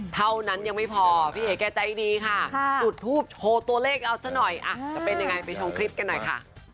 เท่านั้นยังไม่พอพี่เอ๋แกใจดีค่ะจุดทูปโชว์ตัวเลขเอาซะหน่อยจะเป็นยังไงไปชมคลิปกันหน่อยค่ะ